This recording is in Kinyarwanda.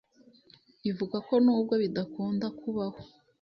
ivuga ko nubwo bidakunda kubaho